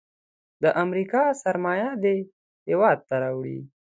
د امریکا سرمایه دې هیواد ته راوړي.